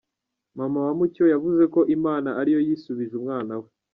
Mama wa Mucyo yavuze ko Imana ari yo yisubije umwana we.